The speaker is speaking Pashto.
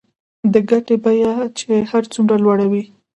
د ګټې بیه چې هر څومره لوړه وي